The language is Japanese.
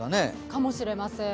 かもしれません。